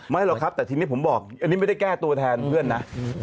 หรอกครับแต่ทีนี้ผมบอกอันนี้ไม่ได้แก้ตัวแทนเพื่อนนะ